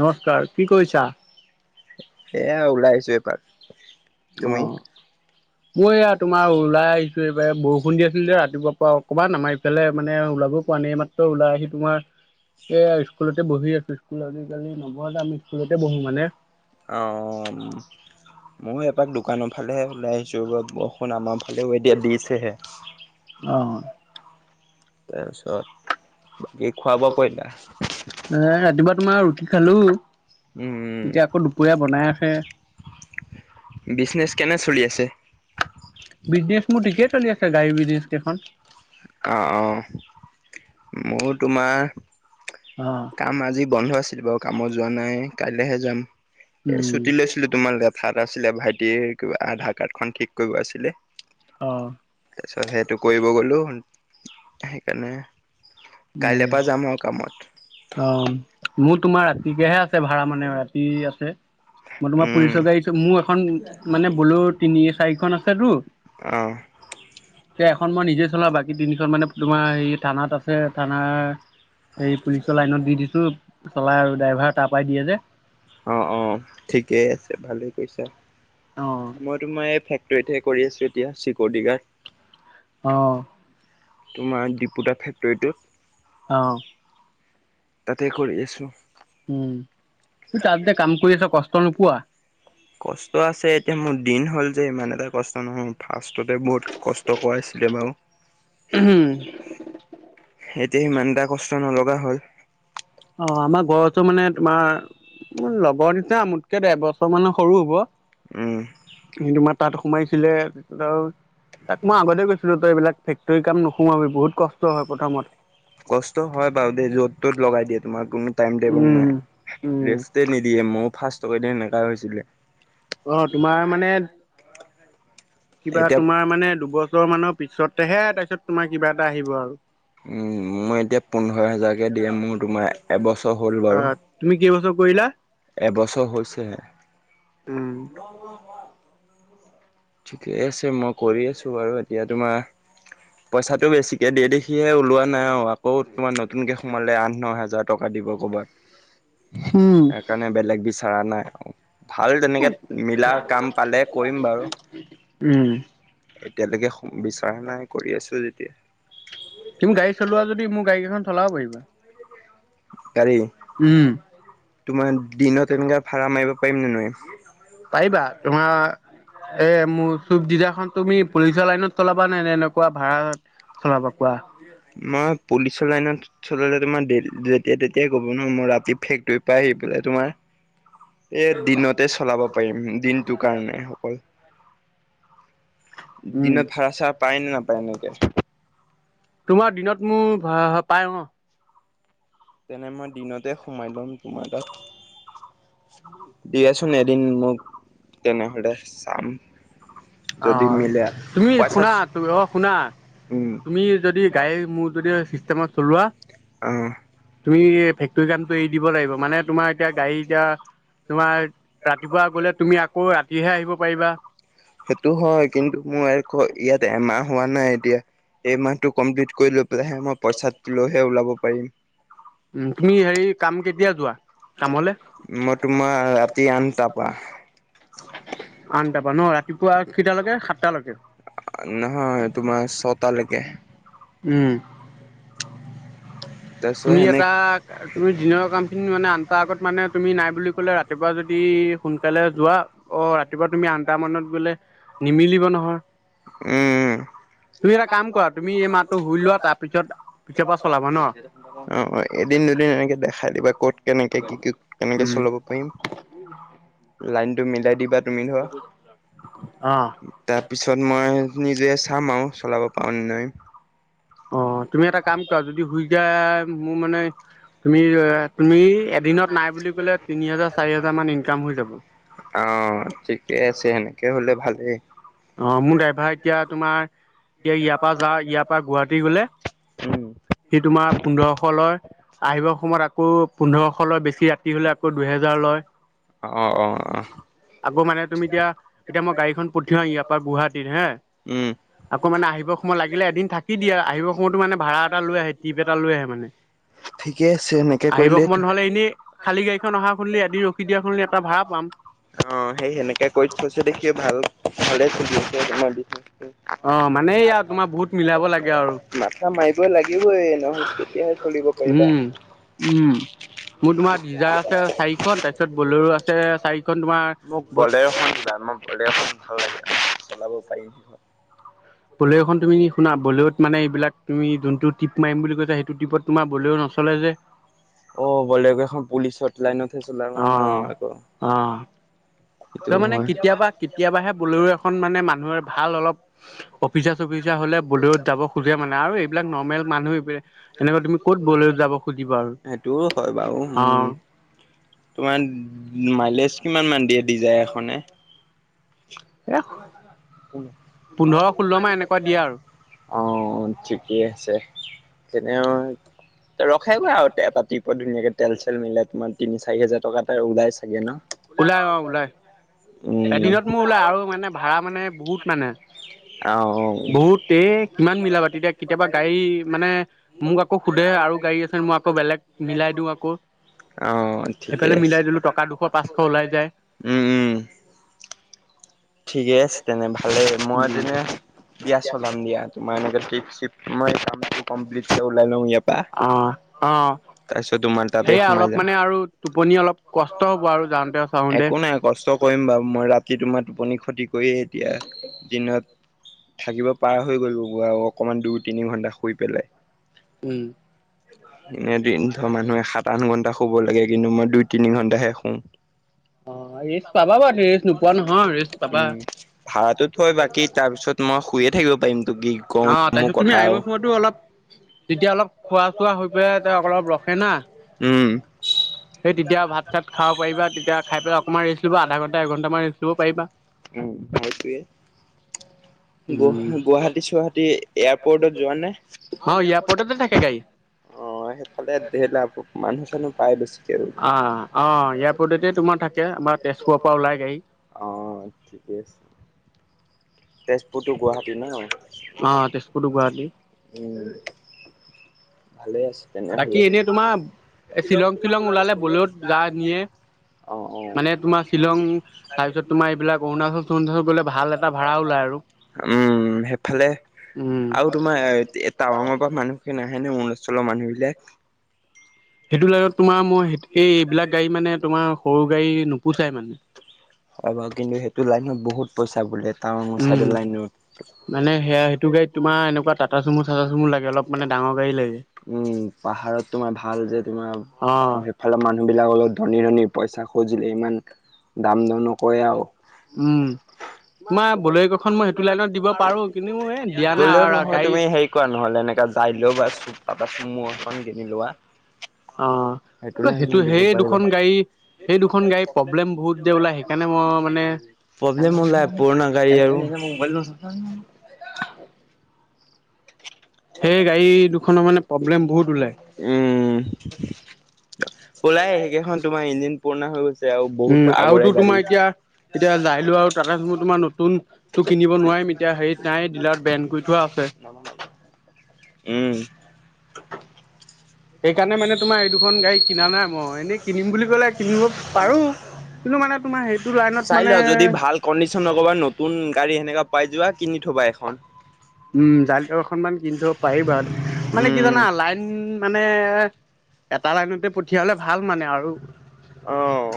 নমস্কাৰ কি কৰিছা? এইয়া ওলাই আহিছোঁ এপাক। তুমি? অ', মই এইয়া তোমাৰ ওলাই আহি ছোঁ, এইবাৰ বৰষুণ দি আছিল যে, ৰাতিপুৱা পৰা। অকণমান আমাৰ ইফালে মানে ওলাবও পৰা নাই, মাত্ৰ ওলাই আহি তোমাৰ এইয়া স্কুলতেই বহি আছোঁ, স্কুল আজি আজিকালি নবহালেকে আমি স্কুলতে বহো মানে। অ', ময়ো দোকানৰ ফালে ওলাই আহিছোঁ, বৰষুণ আমাৰ ফালেও এতিয়া দিছেহে। অ', তাৰপিছত বাকী খোৱা বোৱা কৰিলা? এ ৰাতিপুৱা তোমাৰ ৰুটি খালোঁ, উম, এতিয়া আকৌ দুপৰীয়া বনাই আছে। বিজনেছ কেনে চলি আছে? বিজনেছ মোৰ ঠিকেই চলি আছে, গাড়ী বিজনেছ কেইখন। অ', অ'। মোৰ তোমাৰ, অ'। কাম আজি বন্ধ আছিল বাৰু। কামত যোৱা নাই, কাইলেহে যাম। এই উম, ছুটি লৈছিলোঁ তোমাৰ লেপ কাম আছিলে, ভাইটিৰ কিবা আধাৰ কাৰ্ড খন ঠিক কৰিব আছিলে। অ'। তাৰপিছত সেইটো কৰিব গ'লো সেইকাৰণে কাইলৈৰ উম, পৰা যাম আৰু কামত। অ'। মোৰ তোমাৰ ৰাতিকেহে আছে ভাড়া মানে, ৰাতি আছে। মই তোমাৰ উম, পুলিচৰ গাড়ী, মোৰ এখন মানে বলেৰো তিনি চাৰিখন আছেটো। অ'। এতিয়া এখন মই নিজেই চলাওঁ, বাকী তিনিখন মানে তোমাৰ হেৰি থানাত আছে। ছে থানাৰ সেই পুলিচৰ লাইনত দি দিছোঁ, চলাই আৰু ড্ৰাইভাৰ তাৰ পৰাই দিয়ে যে। অ', অ', ঠিকেই আছে ভালেই কৰিছা। অ মই তোমাৰ এই ফেক তৰিতহে কৰি আছোঁ এতিয়া, চিকৰিটি গাৰ্ড। অ'। তোমাৰ ডিপুটা ফেক্টৰীটোত। অ'। তাতেই কৰি আছোঁ। উম, তাতযে কাম কৰি আছা, কষ্ট নোপোৱা? কষ্ট আছে, এতিয়া মোৰ দিন হ'ল যে, ইমান এটা কষ্ট নোহোৱা হ'ল। ফাৰ্ষ্ট তে বহুত কষ্ট কৰাইছিলে বাৰু। এতিয়া সিমান এটা কষ্ট নলগা হ'ল। অ', আমাৰ ঘৰতো মানে তোমাৰ মোৰ লগৰ নিচিনা, মোতকে ডেৰ বছৰ মানৰ সৰু হ'ব। উম। সি তোমাৰ তাত সোমাইছিলে, তাক মই আগতেই কৈছিলোঁ, তই এইবিলাক ফেক্টৰী কাম নোসোমাবি, বহুত কষ্ট হয় প্ৰথমত কষ্ট হয় বাৰু দেই, য'ত ত'ত লগাই দিয়ে তোমাৰ। কোনো টাইম টেবুল উম নাই, উম ৰেষ্টেইনিদিয়ে, ময়ো ফ্ৰাষ্টৰ কেইদিন সেনেকাই হৈছিলে। অ', তোমাৰ মানে কিবা এতিয়া তোমাৰ মানে দুবছৰ মানৰ পিছতেহে, তাৰপিছত তোমাৰ কিবা এটা আহিব আৰু। উম, মোৰ এতিয়া পোন্ধৰ হোজাৰকে দিয়ে। মোৰ তোমাৰ এবছৰ হ'ল বাৰু। ফুৰিলা? এবছৰ হৈছেহে। উম। ঠিকে আছে মই কৰি আছোঁ বাৰু। এতিয়া তোমাৰ পইচাটো বেছিকে দিয়ে দেখি ওলোৱা নাই আৰু, আকৌ তোমাৰ নতুনকে সোমালে আঠ ন' হাজাৰ টকা দি দিব ক'ৰবাত। উম সেইকাৰণে বেলেগ বিচৰা নাই আৰু। ভাল তেনেকে মিলা কাম পালে কৰিম বাৰু। উম। এতিয়ালৈকে বিচৰা নাই কৰি আছোঁ যেতিয়া। তুমি গাড়ী চলোৱা যদি, মোৰ গাড়ীকেইখন চলাব পাৰিবা। গাড়ী উম। তোমাৰ দিনত এনেকা ভাড়া মাৰিব পাৰিম নে নোৱাৰিম? পাৰিবা। তোমাৰ, এ মোৰ চুপ ডিজাইয়াৰখন তুমি পুলিচৰ লাইনত চলাবা নে, নে এনেকুৱা ভাৰাত চলাবা কোৱা? মই পুলিচৰ লাইনত চলালে তোমাৰ যেতিয়া তেতিয়াই ক'ব ন'। মই ৰাতি ফেক্টৰি পাই আহি পেলাই তোমাৰ এ, দিনতে চলাব পাৰিম। দিনটো কাৰণে অকল। উম দিনত ভাড়া চাৰা পায় নে নাপায় এনেকে? তোমাৰ দিনত মোৰ পাই অ'। তেনে মই দিনতে সোমাই ল'ম তোমাৰ তাত। দিয়াচোন এদিন মোক তেনেহ'লে চাম। যদি অ' মিলে তুমি পইচা শুনা অ' শুনা? উম তুমি যদি গাড়ী মোৰ যদি চিষ্টেমত চলোৱা অ তুমি ফেক্টৰী কামটো এৰি দিব লাগিব, মানে তোমাৰ এতিয়া গাড়ী এতিয়া তোমাৰ ৰাতিপুৱা গলে তুমি আকৌ ৰাতিহে আহিব পাৰিবা। সেইটো হয় কিন্তু মোৰ এই কয় ইয়াত এমাহ হোৱা নাই, এতিয়া এইমাহতটো কমপ্লিট কৰি লৈ পেলাইহে মই পইচা লৈ হে ওলাব পাৰিম। উম, তুমি হেৰি কাম কেতিয়া যোৱা? কামলে মই তোমাৰ ৰাতি আঠটাৰপা। আনটাৰপা ন' ৰাতিপুৱা? কেইটালৈকে সাতটালৈকে নহয় তোমাৰ ছটালৈকে। উম। তাৰপিছত তুমি সেনেক এটা তুমি দিনৰ কামখিনি মানে আন টাৰ আগত মানে তুমি নাই বুলি ক'লে ৰাতিপুৱা যদি সোনকালে যোৱা, অ' ৰাতিপুৱা তুমি আনটা মানত গলে নিমিলিব নহয়। উম। তুমি এটা কাম কৰা তুমি এই মাহটো শুই লোৱা, তাৰপিছত পিছৰ পৰা চলাবা ন'। অ', অ' এদিন দুদিন এনেকে দেখাই দিবা ক'ত কেনেকে কি কি কেনেকে উম চলাব পাৰিম। [unintelligible] লাইনতটো মিলাই দিবা তুমি ধৰা। অ তাৰপিছত মই নিজে চাম আৰু চলাব পাৰোঁ না নাই। অ' তুমি এটা কাম কৰা যদি শুই যায় মোৰ মানে তুমি তুমি এদিনত নাই বুলি কলে তিনি হাজাৰ, চাৰি হাজাৰ মান ইনকাম হৈ যাব। অ' ঠিকে আছে, সেনেকে হ'লে ভালেই। অ' মোৰ ড্ৰাইভাৰ এতিয়া তোমাৰ এতিয়া ইয়াৰপা যা ইয়াৰপা গুৱাহাটী গলে উম। সি তোমাৰ পোন্ধৰশ লয়। আহিব সময়ত আকৌ পোন্ধৰশ লয়, বেছি ৰাতি হলে আকৌ দুহেজাৰ লয়। অ', অ', অ', আকৌ মানে তুমি এতিয়া এতিয়া মই গাড়ীখন পঠিয়া ইয়াত গুৱাহাটীত হে উম, আকৌ মানে আহিব সময়ত লাগিলে এদিন থাকি দিয়ে, আহিব সময়তো মানে ভাড়া এটা লৈ আহে, টিপ এটা লৈ আহে মানে। ঠিকে আছে এনেকে আহিব কৰিলেতো সময়ত নহ'লে এনেই খালী গাড়ীখন অহা শুনিলে এদি ৰখি দিয়া শুনিলি এটা ভাড়া পাম অ' সেই সেনেকাে কৰি থৈছে দেখি ভাল হ'লে [unintelligible] অ' মানে য়া তোমাৰ বহুত মিলাব লাগে আৰু। মাথা মাৰিবই লাগিবই নহ'লে তেতিয়াহে চলিব পাৰিবা। উম উম মোৰ তোমাৰ ডিজাৰ আছে চাৰিখন তাৰপিছত বলেৰু আছে চাৰিখন মোক বলেৰ' তোমাৰ এখন দিবা মই বলেৰ' খন ভাল লাগে, চলাব পাৰিম। বলেৰুখন তুমি শুনা, বলেৰু মানে এইবিলাক তুমি যোনটো টিপ মাৰিম বুলি কৈছা সেইটো ট্ৰিপত তোমাৰ বলেৰু নচলে যে। অ' বলেৰো কেখন পুলিচত লাইনত হে চলাও অ ন' আকৌ। অ সেইটো তই মানে হয়। কেতিয়াবা কেতিয়াবাহে বলেৰু এখন মানে মানুহৰ ভাল অলপ অফিচাৰ চফিছাৰ তেতিয়া হ'লে বলেৰু যাব খোজে মানে আৰু এইবিলাক নৰ্মেল মানুহে এনেকৈ তুমি ক'ত বলেৰুত যাব খুজিব আৰু। সেইটোও হয় বাৰু। অ উম, তোমাৰ মাইলেজ কিমানমান দিয়ে দিজায়াৰখনে? এখ পোন্ধৰ, ষোল্ল এনেকুৱা দিয়ে আৰু। অ' ঠিকেই আছে। তেনে ৰখাই গৈ আৰু এটা টিপত ধুনীয়াকে তেল চেল মিলাই তোমাৰ তিনি চাৰি হাজাৰ টকা এটা ওলাই চাগে ন'। ওলাই অ' ওলাই। উম, এদিনত মোৰ ওলাই আৰু মানে ভাড়া মানে [unintelligible] বহুত মানে। অ অ বহুত এই কিমান মিলাবা তেতিয়া কেতিয়াবা গাড়ী মানে মোক আকৌ সোধে আৰু গাৰী আ, মই আকৌ বেলেগ মিলাই দি আকৌ অ এইফালে মিলাই দিলো টকা দুশ পচ ওলাই যায়। উম, উম। ঠিকে আছে তেনে ভালেই। মই তেনে দিয়া চলাম দিয়া তোমাৰ এনে ট্ৰিপ চিপ মই কামটো কমপ্লিট কৰি ওলাই লওঁ ইয়াৰপা তাৰপিছত তোমাৰ তাতে সেয়াই সোমাই অলপ যাম। মানে আৰু টোপনি অলপ কষ্ট হ'ব আৰু যাওঁতেও চাতে। একো নাই কষ্ট কৰিম বাৰু। মই ৰাতি তোমাৰ টোপনি ক্ষতি কৰিয়ে এতিয়া দিনত থাকিব পাৰ হৈ গলোঁ। ব আৰু অকনমান দুই তিনি ঘণ্টা শুই পেলাই। উম। এদিন ধৰ মানুহে সাত, আঠ ঘণ্টা শুব লাগে কিন্তু মই দুই তিনি ঘন্টাহে শুওঁ। অ' ৰেষ্ট পাবা বাৰু, ৰেষ্ট নোপোৱা নহয় ৰেষ্ট পাবা উম, ভাৰাটো থৈ বাকী তাৰ পিছত মই শুইয়ে থাকিব পাৰিম। তোক কি কওঁ অ' মোৰ তাৰপিছত তুমি কথা আহিব আৰু সময়ততো অলপ তেতিয়া অলপ খোৱা চোৱা হৈ পেলাই তেওঁ অলপ ৰখে না। উম সেই তেতিয়া ভাত চাত খাব পাৰিবা, তেতিয়া খাই পেলাই অকণমান ৰেচি লব আধা ঘণ্টা এঘণ্টামান ৰেষ্ট লব পাৰিবা। উম, হেইটোৱে। উম গো-গুৱাহাটী চুৱাহাটী এয়াৰপৰ্টত যোৱা অ এয়াৰপৰ্টতে থাকে নাই? গাড়ী অ' সেইফালে দেৰ লাভ, মানুহ চানুহ পাই বেছি। অ', অ' ইয়াৰপৰ্টতে তোমাৰ থাকে আমাৰ তেজপুৰৰ পৰা ওলাই গাড়ী। অ' ঠিকেেই আছে। তেজপুৰ টু গুৱাহাটী না। অ' তেছপুৰ টো গুৱাহাটী। ভালে আছে বাকী তেনেহ'লে। এনেই তোমাৰ শ্বিলং টিলং ওলালে বলেৰোত যায় মানে। অ', অ' মানে তোমাৰ শ্বিলং তাৰপিছত তোমাৰ এইবিলাক অৰুণাচল চৰুণাচল গ'লে ভাল এটা ভাড়া ওলাই আৰু [unintelligible] উম, উম সেইফালে উম আৰু তোমাৰ এ টাৱাঙৰ পৰা মানুহখিনি নাহে নে অৰুণাচলৰ মানুহ বিলাক? [inaudible] সেইটো লাইনত তোমাৰ মই এই এইবিলাক গাড়ী মানে তোমাৰ সৰু গাড়ী নোপোচাই মানে। হয় বাৰু কিন্তু সেইটো লাইনত বহুত পইচা বোলে টাউন উম চাইডৰ লাইনত। মানে সে সেইটো গাড়ীত তো মাৰএনেকুৱা টাটা ঢুমূ চাটা চুমূলাগে অলপ মান ডাঙৰ গাড়ী লাগে। উম পাহাৰত তোমাৰ ভাল যে, তোমাৰ অ সেইফালৰ মানুহ বিলাক অলপ ধনী ধনী। পইচা খুজিলে ইমান দাম দৰ নকৰে আৰু উম। তোমাৰ বলেৰ'কেইখন মই সেইটো লাইনত দিব পাৰো কিন্তু এ দিয়া নাই গ'লেও আৰু নহয় গাড়ী তুমি হেৰি কৰা নহ'লে এনেকা য়েল্লো বাছ তাতে চুমু এখন কিনি লোৱা। অহ, সেইটো লাইনত দিব সেই পাৰিবা। দুখন গাড়ী। সেই দুখন গাড়ী প্ৰব্লেম বহুত যে ওলাই সেইকাৰণে মই মানে প্ৰব্লেম ওলাই পুৰণা গাড়ী আৰু [unintelligible] মোবাইল ললো নহয়। সেই গাড়ী দুখনৰ মানে প্ৰব্লেম বহুত। ওলাই উম, ওলাই সেইকেইখন তোমাৰ ইঞ্জিন পুৰণা হৈ গৈছে। গৈছে আৰু উম বহুত আগৰে আৰুতো গাড়ী। তোমাৰ এতিয়া এতিয়া জাইলো আৰু টাটা চুমু তোমাৰ নতুন তো কিনিব নোৱাৰিম এতিয়া হেৰিত নাই ডিলাৰত বেন কৰি থোৱা আছে [unintelligible] উম। সেইকাৰণে মানে তোমাৰ এই দুখন গাড়ী কিনা নাই, মই এনেই কিনিম বুলি ক'লে কিনিব পাৰোঁ। কিন্তু মানে তোমাৰ সেইটো লাইনত মানে কণ্ডিচন নকবা নতুন গাড়ী সেনেকা পাই। যোৱা কিনি থবা এখন। উম, [unintelligible] এখনমান কিনি থব পাৰিবা, মানে কি উম, জানা লাইন মানে এটা লাইনতে পঠিয়ালে ভাল মানে আৰু। অহ।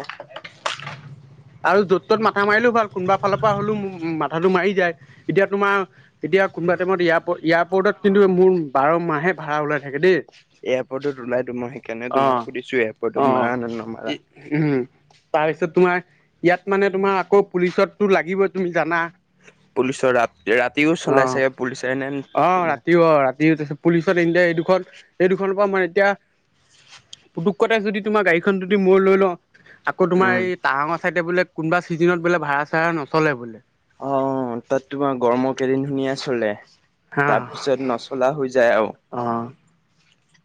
[inaudible] আৰু য'ত ত'ত মাথা মাৰিলেও ভাল কোনোবা ফালৰ পৰা হ'লেও মাথাটো মাৰি যায়। এতিয়া তোমাৰ এতিয়া কোনোবা টাইমত এয়াৰপৰ্ট-এয়াৰপৰ্টত কিন্তু মোৰ বাৰ মাহে ভাৰা ওলাই থাকে দেই। এয়াৰপৰ্টত ওলাই তো মই সেইকাৰণে অ তোমাক সুধিছোঁ। অ এয়াৰপৰ্টত মাৰা নে নামাৰা? উম। [unintelligible] তোমাৰ ইয়াত মানে তোমাৰ আকৌ পুলিচৰো তো লাগিবই তুমি জানা। পুলিচৰ ৰাতি ৰাতিও চলাই চাগে? পুলিচে নে অহ, তোমাৰ ৰাতিও অহ ৰাতিও তাৰপিছত পুলিচত এতিয়া এই দুখন, এই দুখনৰ পৰা মানে এতিয়া পুতুকটেই যদি তোমাৰ গাড়ীখন যদি মূৰ লৈ ল আকৌ তোমাৰ উম। এই তাহাংৰ চাইডে বোলে কোনোবা চিজনত বোলে ভাড়া-চাড়া নচলে বোলে? অহ, তাত তোমাৰ গৰমৰ কেইদিন ধুনীয়া চলে, তাৰপিছত নচলা হৈ যায় আৰু। অহ।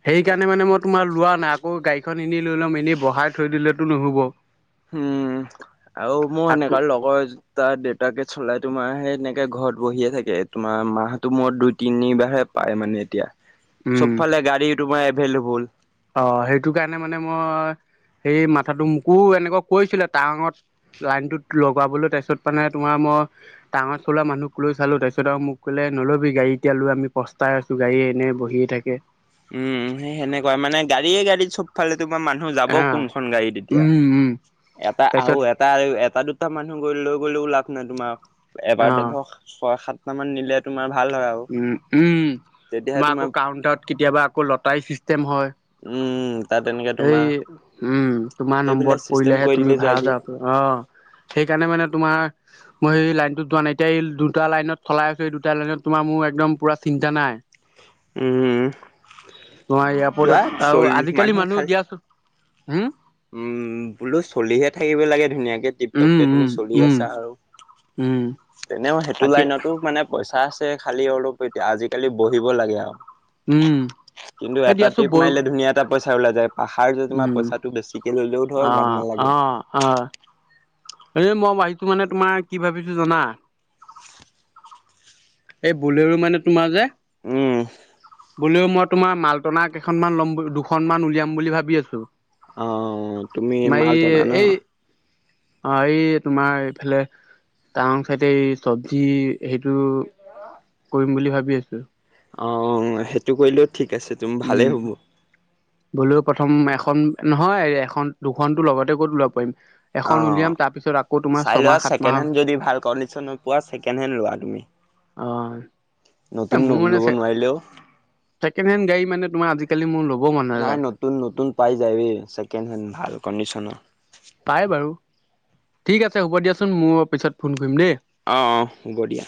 সেইকাৰণে মানে মই তোমাৰ লোৱা নাই আকৌ গাড়ীখন এনেই লৈ ল'ম এনেই বঢ়াই থৈ দিলেতো নহ'ব। উম, আৰু মোৰ আকৌ সেনেকা লগৰ এটাৰ দেউতাকে চলাই তোমাৰ সেই এনেকে ঘৰত বহিয়ে থাকে। তোমাৰ মাহতটো মুৰত দুই তিনিবাৰ হে পায় মানে এতিয়া। চবফালে গাড়ী তোমাৰ এভেইলএভোল। অহ, সেইটো কাৰণে মানে মই সেই মাথাটো মোকো এনেকুৱা কৈছিলে তাৱাংত লাইনটোত লগাবলৈ তাৰপিছত মানে তোমাৰ মই তাঙৰ চলা মানুহক লৈ চালোঁ, তাৰপিছত আৰু মোক ক'লে হে নল'বি গাড়ী এতিয়া লৈ আমি পস্তাই আছোঁ গাড়ী এনে বহিয়ে থাকে। উম, সেই সেনেকুৱাই মানে গাড়ীয়ে গাড়ী চবফালে তোমাৰ মানুহ যাব আহ কোনখন গাড়ীত এতিয়া। উম উম এটা আৰু তাৰপিছত এটা, আৰু এটা দুটা মানুহ লৈ গ'লেও লাভ নাই তোমাৰ, অ এবাৰতে ধৰক ছয় সাতটা মান নিলে তোমাৰ ভাল হয় আৰু উম', উম'। তোমাৰ আকৌ কাউন্টাৰত কেতিয়াবা আকৌ লতাৰি চিষ্টেম তেম হয় উম, তাত এনেকে এই তোমাৰ উম তোমাৰ সেইবিলাক নম্বৰত চিষ্টেম পৰিলেহে কৰি তুমি দিলে যে ভাড়া আজি যাব পাৰি অ সেইকাৰণে মানে তোমাৰ মই সেই লাইনটোত যোৱা নাই, এতিয়া এই দুটা লাইনত চলাই আছো এই দুটা লাইনত তোমাৰ মোৰ একদম পোৰা চিন্তা নাই। উম। তোমাৰ যোৱা এয়াৰপৰ্টত আৰু চলি আজিকালি মানুহে মানুহ খালি দিয়াচো হুম? উম, বোলো চলিহে থাকিব লাগে ধুনীয়াকে উম টিপ-টপকে তুমি উম চলি আছা উম আৰু। উম এনেও সেইটো তাকে লাইনটো মানে পইচা আছে খালি অলপ এতিয়া আজিকালি বহিব লাগে আও। উম কিন্তু এই এটা দিয়াচোন টিপ বৈ মাৰিলে ধুনীয়া এটা পইচা ওলাই যায় পাহাৰ যে তোমাৰ উম পইচা অ অ অ। এ মই মাৰিছো মানে তোমাৰ কি ভাবিছো জানা এই বলেৰো মানে তোমাৰ যে উম। বোলেও মই তোমাৰ মালটনা কেইখনমান ল'ম দুখনমান উলিয়াম বুলি ভাবি আছো। অ, তুমি তোমাৰ মাল এই টনা ন? এই অ এই তোমাৰ এইফালে টাউন চাইডে এই চবজি হে টো কৰিম বুলি ভাবি আছো। অ, সেইটো কৰিলেও ঠিক আছে তুমি ভালেই হ'ব। বোলেঅ প্ৰথম এখন নহয় এখন দুখনটো লগতে কৰি ল'ব পাৰিম। অ, এখন উলিয়াম তাৰ পিছত আকৌ তোমাৰ চাই ছমাহ লোৱা সাত মাহ ছেকেণ্ড হেণ্ড যদি ভাল কণ্ডিশনত পোৱা ছেকেণ্ড হেণ্ড লোৱা তুমি। অহ। নতুন ল'ব নোৱাৰিলেও ছেকেণ্ড হেণ্ড গাড়ী মানে তোমাৰ আজিকালি মোৰ ল'ব মন নাই নাযায় নতুন নতুন পাই যাইয়ে ছেকেণ্ড হেণ্ড ভাল কণ্ডিশনৰ। পাই বাৰু ঠিক আছে হ'ব দিয়াচোন মোৰ পিছত ফোন কৰিম দেই অ অ হ'ব দিয়া।